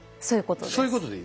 そういうことです。